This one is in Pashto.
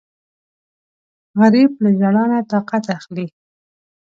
غریب له ژړا نه طاقت اخلي